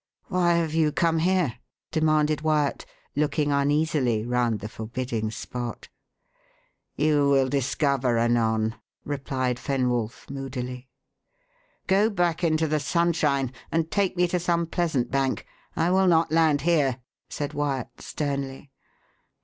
"Why have you come here?" demanded Wyat, looking uneasily round the forbidding spot. "You will discover anon," replied Fenwolf moodily. "Go back into the sunshine, and take me to some pleasant bank I will not land here," said Wyat sternly.